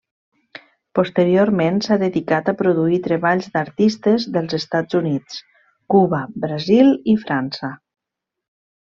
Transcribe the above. Posteriorment s'ha dedicat a produir treballs d'artistes dels Estats Units, Cuba, Brasil i França.